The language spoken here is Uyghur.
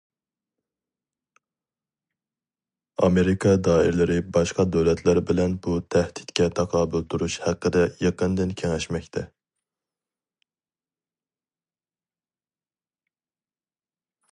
ئامېرىكا دائىرىلىرى باشقا دۆلەتلەر بىلەن بۇ تەھدىتكە تاقابىل تۇرۇش ھەققىدە يېقىندىن كېڭەشمەكتە.